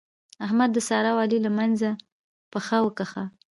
احمد د سارا او علي له منځه پښه وکښه.